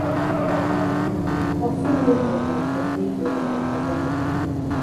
Hoffwn weithio fel cyfrifydd yn y cyfryngau